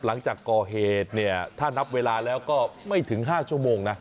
หลังจากก่อเหตุเนี่ยถ้านับเวลาแล้วก็ไม่ถึง๕ชั่วโมงนะ